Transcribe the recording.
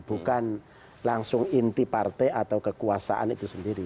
bukan langsung inti partai atau kekuasaan itu sendiri